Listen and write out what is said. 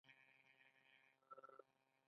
چې نړۍ ورته په درناوي ګوري.